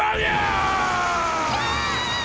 キャ！